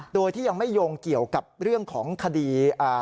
โดยที่ยังไม่โยงเกี่ยวกับเรื่องของคดี